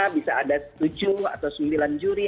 bisa ada tujuh atau sembilan juri